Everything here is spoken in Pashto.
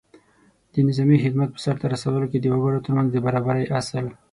د نظامي خدمت په سرته رسولو کې د وګړو تر منځ د برابرۍ اصل